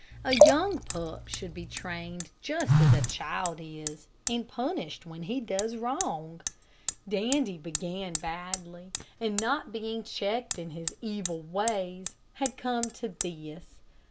A young pup should be trained just as a child is, and punished when he goes wrong. Dandy began badly, and not being checked in his evil ways, had come to this.